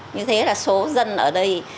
như thế là số dân ở đây